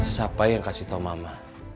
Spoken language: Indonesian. siapa yang kasih tahu mama